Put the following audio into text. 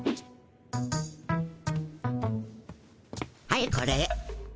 はいこれ。